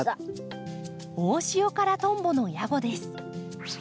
オオシオカラトンボのヤゴです。